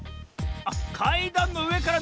あっかいだんのうえからなおすのね。